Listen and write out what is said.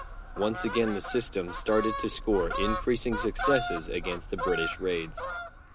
Once again the system started to score increasing successes against the British raids.